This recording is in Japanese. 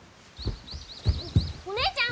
お姉ちゃん